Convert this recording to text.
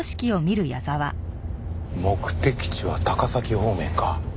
目的地は高崎方面か。